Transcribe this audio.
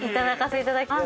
いただきます。